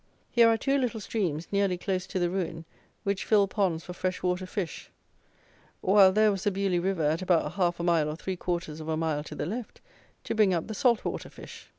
Here are two little streams, nearly close to the ruin, which filled ponds for fresh water fish; while there was the Beaulieu river at about half a mile or three quarters of a mile to the left, to bring up the salt water fish.